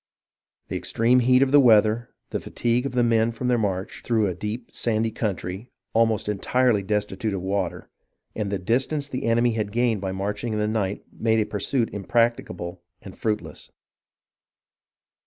The extreme heat of the weather, the fatigue of the men from their march through a deep, sandy country, almost entirely destitute of water, and the distance the enemy had gained by marching in the night made a pursuit im practicable and fruitless.